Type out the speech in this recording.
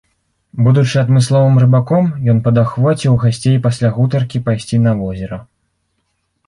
Будучы адмысловым рыбаком, ён падахвоціў гасцей пасля гутаркі пайсці на возера.